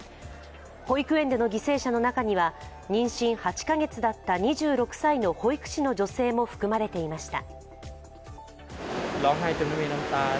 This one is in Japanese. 保育園での犠牲者の中には妊娠８か月だった２６歳の保育士の女性も含まれていました。